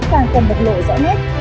càng cần mật lộ rõ nét